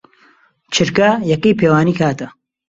چرکە یەکەی پێوانی کاتە.